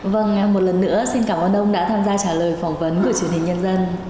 vâng một lần nữa xin cảm ơn ông đã tham gia trả lời phỏng vấn của truyền hình nhân dân